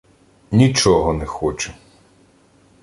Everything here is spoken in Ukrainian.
— Нічого не хочу.